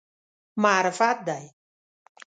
معرفت دی.